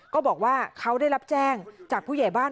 ก็บอกว่าเขาได้รับแจ้งจากผู้ใหญ่บ้าน